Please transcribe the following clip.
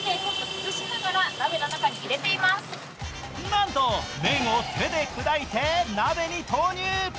なんと麺を手で砕いて鍋に投入。